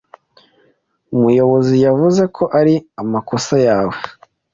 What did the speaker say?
Umuyobozi yavuze ko ari amakosa yawe.